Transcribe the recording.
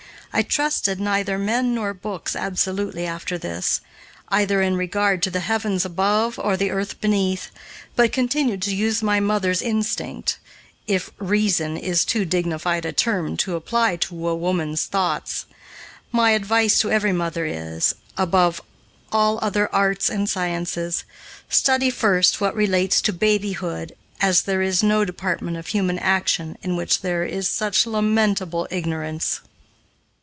I trusted neither men nor books absolutely after this, either in regard to the heavens above or the earth beneath, but continued to use my "mother's instinct," if "reason" is too dignified a term to apply to woman's thoughts. My advice to every mother is, above all other arts and sciences, study first what relates to babyhood, as there is no department of human action in which there is such lamentable ignorance.